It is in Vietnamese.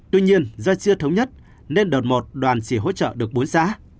tuy nhiên do chưa thống nhất nên đợt một đoàn chỉ hỗ trợ được bốn xã